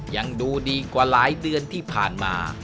ยังดูดีกว่าหลายเดือนที่ผ่านมา